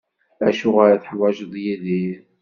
Acuɣer i teḥwaǧeḍ Yidir?